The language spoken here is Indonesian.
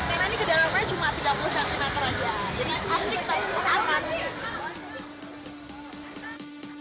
saya ini kedalamannya cuma tiga puluh cm aja jadi asik